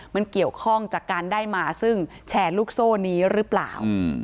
มันเกี่ยวข้องจากการได้มาซึ่งแชร์ลูกโซ่นี้หรือเปล่า